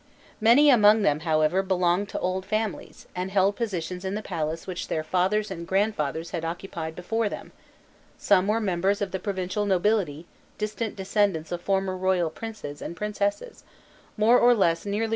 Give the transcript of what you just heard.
Many among them, however, belonged to old families, and held positions in the palace which their fathers and grandfathers had occupied before them, some were members of the provincial nobility, distant descendants of former royal princes and princesses, more or less nearly related to the reigning sovereign.